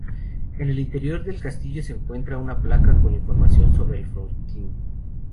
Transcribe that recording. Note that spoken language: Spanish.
En el interior del castillo se encuentra una placa con información sobre el fortín.